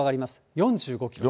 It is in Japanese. ４５キロ。